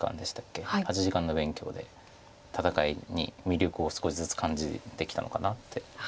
８時間の勉強で戦いに魅力を少しずつ感じてきたのかなって。